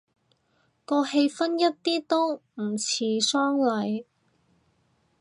個氣氛一啲都唔似喪禮